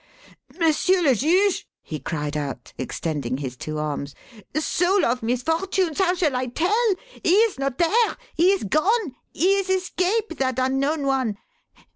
"M'sieur le Juge!" he cried out, extending his two arms. "Soul of Misfortunes, how shall I tell? He is not there he is gone he is escape, that unknown one.